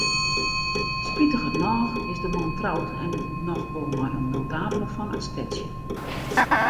Spitigernôch is de man troud, en noch wol mei in notabele fan it stedsje.